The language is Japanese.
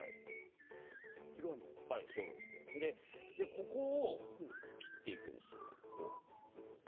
ここを切っていくんですよ。